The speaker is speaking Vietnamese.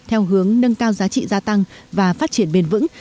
theo hướng nâng cao giá trị gia tăng và phát triển bền vững